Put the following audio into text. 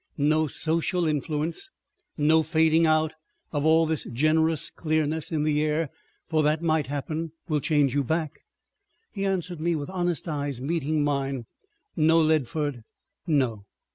"No social influence, no fading out of all this generous clearness in the air—for that might happen—will change you back ...?" He answered me with honest eyes meeting mine, "No, Leadford, no!"